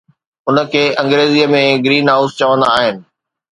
ان کي انگريزيءَ ۾ Green House چوندا آهن